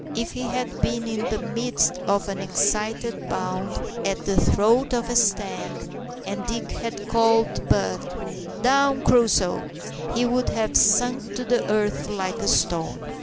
If he had been in the midst of an excited bound at the throat of a stag, and Dick had called out, "Down, Crusoe," he would have sunk to the earth like a stone.